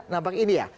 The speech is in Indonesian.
nampak ini ya